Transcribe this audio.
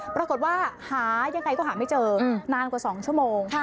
ปรากฏว่าหายังไงก็หาไม่เจอนานกว่า๒ชั่วโมง